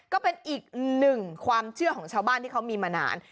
ก็เป็นอีกหนึ่งความเชื่อของชาวบ้านที่เขามีมานาน